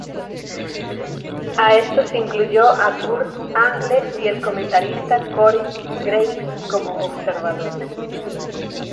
A esto se incluyó a Kurt Angle y el comentarista Corey Graves como observadores.